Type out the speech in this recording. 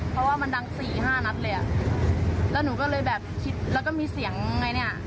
เพราะว่ามันดังสี่ห้านัดเลยอ่ะแล้วหนูก็เลยแบบคิดแล้วก็มีเสียงไงเนี่ย